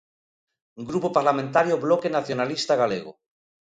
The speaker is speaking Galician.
Grupo Parlamentario Bloque Nacionalista Galego.